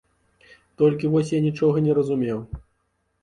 Толькі вось я нічога не разумеў.